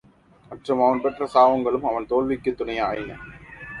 மற்றும் அவன் பெற்ற சாபங்களும் அவன் தோல்விக்குத் துணை ஆயின.